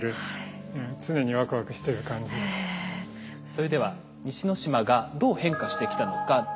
それでは西之島がどう変化してきたのか。